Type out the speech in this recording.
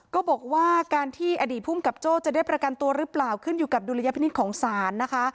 ก็บอกว่าการที่อดีตภูมิกับโจ้จะได้ประกันตัวหรือเปล่าขึ้นอยู่กับดุลยพินิษฐ์ของศาลนะคะ